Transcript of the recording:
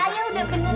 ayah udah bener